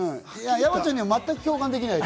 山ちゃんには全く共感できないと。